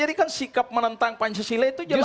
karena dia sikap menentang pancasila itu jelas